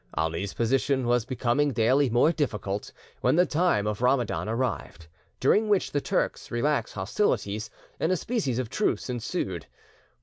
Ali's position was becoming daily more difficult, when the time of Ramadan arrived, during which the Turks relax hostilities, and a species of truce ensued.